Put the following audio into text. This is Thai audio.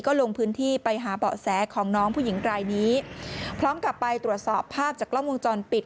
ก็ลงพื้นที่ไปหาเบาะแสของน้องผู้หญิงรายนี้พร้อมกับไปตรวจสอบภาพจากกล้องวงจรปิด